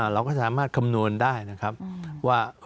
เราก็สามารถคำนวณได้ว่า